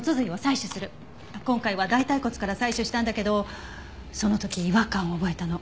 今回は大腿骨から採取したんだけどその時違和感を覚えたの。